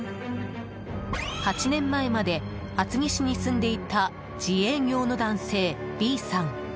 ８年前まで厚木市に住んでいた自営業の男性Ｂさん。